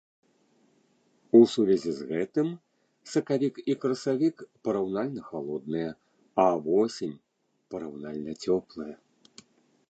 У сувязі з гэтым сакавік і красавік параўнальна халодныя, а восень параўнальна цёплая.